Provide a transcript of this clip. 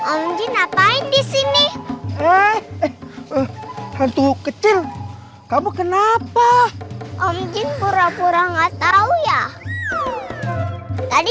om jin ngapain di sini eh eh eh hantu kecil kamu kenapa om jin pura pura nggak tahu ya tadi